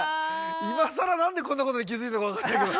今さらなんでこんなことに気付いたか分かんないけど。